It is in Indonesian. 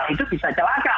itu bisa celaka